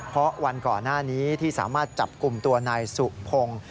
เพราะวันก่อนหน้านี้ที่สามารถจับกลุ่มตัวนายสุพงศ์